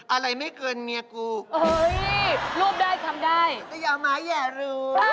อะไรไม่เกินเมียกู